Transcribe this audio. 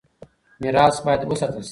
ميراث بايد وساتل شي.